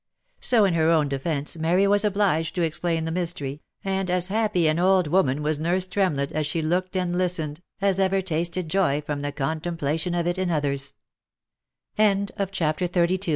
So in her own defence Mary was obliged to explain the mystery, and as happy an old woman was nurse Tremlett, as she looked and listened, as ever tasted joy from the contemplation of it in other